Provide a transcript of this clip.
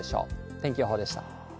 天気予報でした。